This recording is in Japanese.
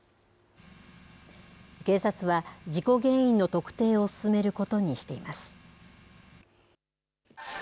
警察は、事故原因の特定を進めることにしています。